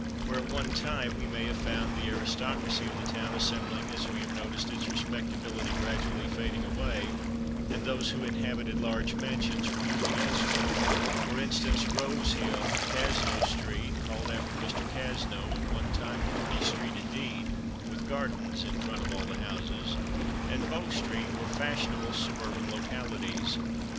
Where at one time we may have found the aristocracy of the town assembling, we have noticed its respectability gradually fading away, and those who inhabited large mansions removing elsewhere. For instance, Rose hill, Cazneau street (called after Mr. Cazneau; at one time a pretty street indeed, with gardens in front of all the houses), and Beau street, were fashionable suburban localities.